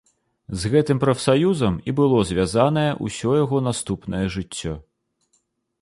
З гэтым прафсаюзам і было звязанае ўсё яго наступнае жыццё.